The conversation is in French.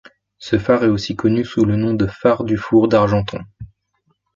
Ce phare est aussi connu sous le nom de Phare du Four d'Argenton.